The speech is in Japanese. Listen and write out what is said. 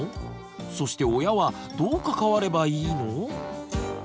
そして親はどう関わればいいの？